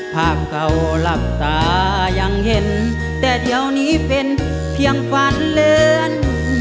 ภาพเก่าหลับตายังเห็นแต่เดี๋ยวนี้เป็นเพียงฝันเลือน